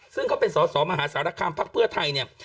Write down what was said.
ซึ่งเขาเป็นสอสอมหาสารคามพักเพื่อไทยเนี่ย